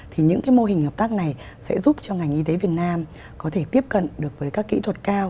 thì những cái mô hình hợp tác này sẽ giúp cho ngành y tế việt nam có thể tiếp cận được với các kỹ thuật cao